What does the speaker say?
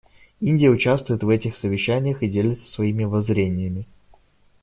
Индия участвует в этих совещаниях и делится своими воззрениями.